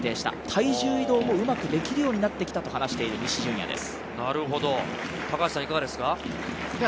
体重移動もうまくできるようになってきたと話している西純矢です。